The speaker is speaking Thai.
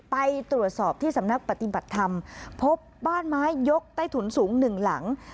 ไปตรวจสอบที่สำนักปฏิบัติธรรมพบบ้านไม้ยกใต้ถุนสูงหนึ่งหลัง